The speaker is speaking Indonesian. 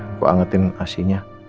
aku angetin asinya